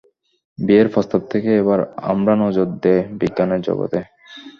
বিয়ের প্রস্তাব থেকে এবার আমরা নজর দেই বিজ্ঞানের জগতে।